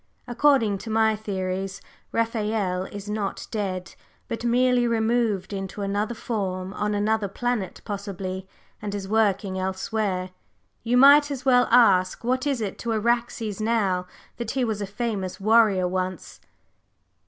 "According to my theories, Raphael is not dead, but merely removed into another form, on another planet possibly, and is working elsewhere. You might as well ask what it is to Araxes now that he was a famous warrior once?"